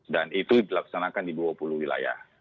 dan itu dilaksanakan di dua puluh wilayah